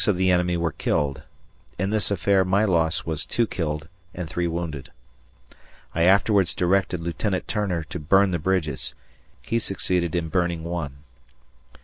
I learn that 6 of the enemy were killed. ... In this affair my loss was 2 killed and 3 wounded. ... I afterwards directed Lieutenant Turner to burn the bridges. He succeeded in burning one.